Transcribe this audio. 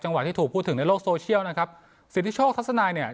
ที่ถูกพูดถึงในโลกโซเชียลนะครับสิทธิโชคทัศนายเนี่ย